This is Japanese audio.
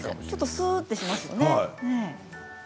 すうーっとしますよね。